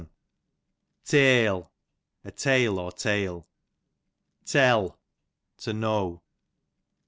Tele, a tail, or tale. Tell, to know.